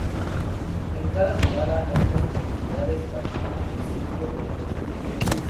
En cada jugada hay tres oportunidades, partiendo del sitio de la vez anterior.